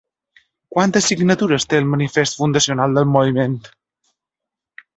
Quantes signatures té el manifest fundacional del moviment?